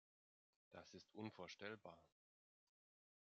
Das ist unvorstellbar!